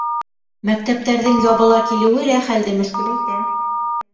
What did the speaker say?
Мәктәптәрҙең ябыла килеүе лә хәлде мөшкөләйтә.